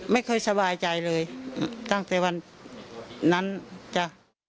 สบายใจเลยตั้งแต่วันนั้นจ้ะ